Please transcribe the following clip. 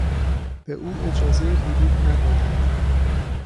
به او اجازهی ورود ندادند.